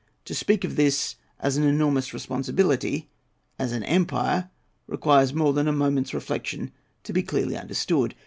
To speak of this as an "enormous responsibility" as an empire, requires more than a "moment's reflection" to be clearly understood.